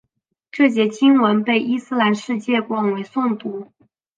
这节经文被伊斯兰世界广为诵读。